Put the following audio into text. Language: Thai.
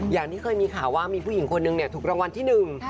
อย่างที่เคยมีข่าวว่ามีผู้หญิงคนนึงเนี่ยถูกรางวัลที่หนึ่ง